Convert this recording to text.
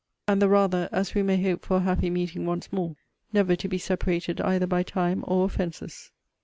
And the rather, as we may hope for a happy meeting once more, never to be separated either by time or offences.'